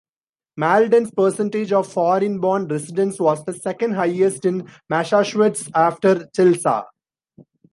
Malden's percentage of foreign-born residents was the second-highest in Massachusetts, after Chelsea.